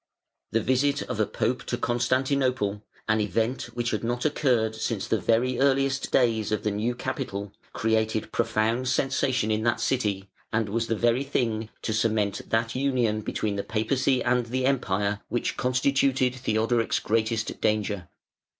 The visit of a pope to Constantinople, an event which had not occurred since the very earliest days of the new capital, created profound sensation in that city and was the very thing to cement that union between the Papacy and the Empire which constituted Theodoric's greatest danger.